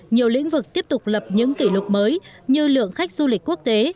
nhiều lĩnh vực tiếp tục lập những kỷ lục mới như lượng khách du lịch quốc tế